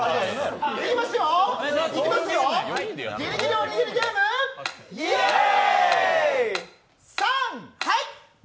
いきますよ、ギリギリおにぎりゲーム、イエーイ！